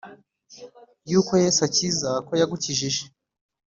yuko yesu akiza, ko yagukijije.